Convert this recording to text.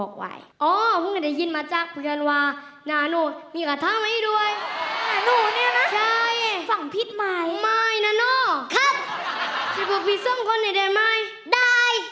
ฉันจะพูดพริส่งหัวในเดือนไหมได้